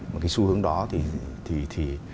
cái xu hướng đó thì